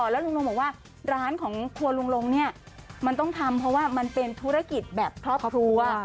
แล้วลุงลงบอกว่าร้านของครัวลุงลงเนี่ยมันต้องทำเพราะว่ามันเป็นธุรกิจแบบครอบครัว